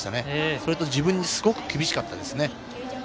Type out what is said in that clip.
そして自分にすごく厳しかったですね。